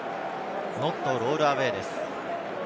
ノットロールアウェイです。